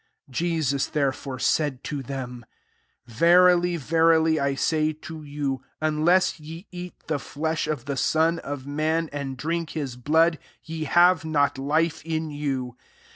53 Jesus therefore said to them, " Verily, verily, I say to you. Unless ye eat the flesh * of the Son of man, and drink his blood, ye have not life in you.